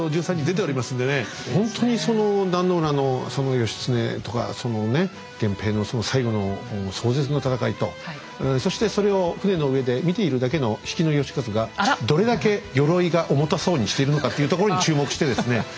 ほんとにその壇の浦の義経とかそのね源平の最後の壮絶な戦いとそしてそれを船の上で見ているだけの比企能員がどれだけ鎧が重たそうにしているのかっていうところに注目してですね